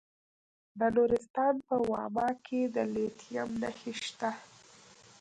د نورستان په واما کې د لیتیم نښې شته.